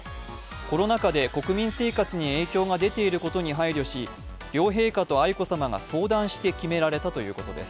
コロナ禍で国民生活に影響が出ていることに配慮し両陛下と愛子さまが相談して決められたということです。